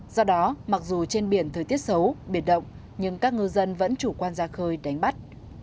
do đó mặc dù trên biển thời tiết xấu biển động nhưng các ngư dân vẫn chủ quan ra khơi đánh bắt